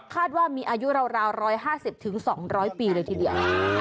ว่ามีอายุราว๑๕๐๒๐๐ปีเลยทีเดียว